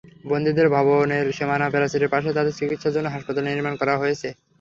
বন্দীদের ভবনের সীমানাপ্রাচীরের পাশে তাঁদের চিকিৎসার জন্য হাসপাতাল নির্মাণ করা হয়েছে।